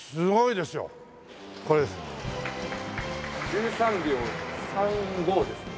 １３秒３５ですね。